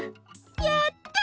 やった！